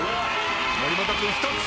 森本君１つ。